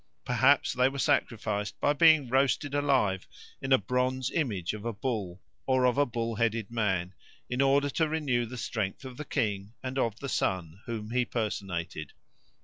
Perhaps they were sacrificed by being roasted alive in a bronze image of a bull, or of a bull headed man, in order to renew the strength of the king and of the sun, whom he personated.